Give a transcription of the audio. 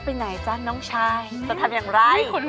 แซวว่า